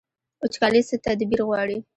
وچکالي څه تدبیر غواړي؟